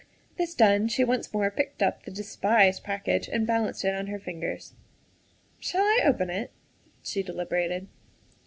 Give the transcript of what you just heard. This done, she once more picked up the despised package and balanced it on her fingers. " Shall I open it?" she deliberated.